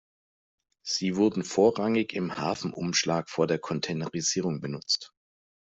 Sie wurden vorrangig im Hafenumschlag vor der Containerisierung benutzt.